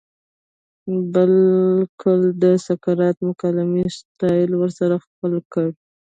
بلکه د سقراطی مکالمې سټائل ئې ورسره خپل کړۀ